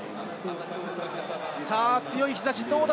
強い日差し、どうだ？